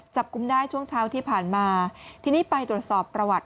กุมได้ช่วงเช้าที่ผ่านมาทีนี้ไปตรวจสอบประวัติ